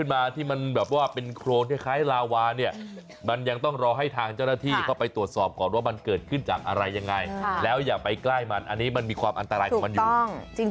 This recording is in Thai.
มันยังต้องรอให้ทางเจ้าหน้าที่เขาไปตรวจสอบก่อนว่ามันเกิดขึ้นจากอะไรยังไงแล้วอย่าไปใกล้มันอันนี้มันมีความอันตรายของมันอยู่